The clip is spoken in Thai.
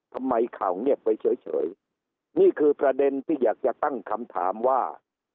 ข่าวเงียบไปเฉยนี่คือประเด็นที่อยากจะตั้งคำถามว่า